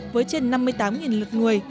với trên năm mươi tám lượt người